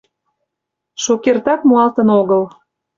Шукертак муалтын огыл...